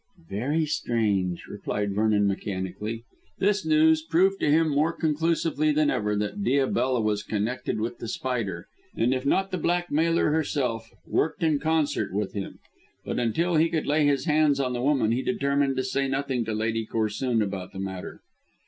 "Very strange," replied Vernon mechanically. This news proved to him more conclusively than ever that Diabella was connected with The Spider, and, if not the blackmailer herself, worked in concert with him. But until he could lay hands on the woman he determined to say nothing to Lady Corsoon about the matter.